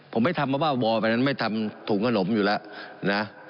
ผมไม่ทำเพราะว่าวอลไปนั้นไม่ทำถุงขนมอยู่แล้วนะ